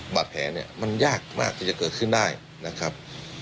บาดแผลเนี่ยมันยากมากที่จะเกิดขึ้นได้นะครับ